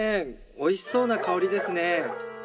おいしそうな香りですね。